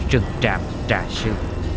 rừng trạm trà sư